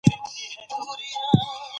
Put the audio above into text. هغه لغت، چي مانا ئې خړېږي، له ژبي څخه وځي.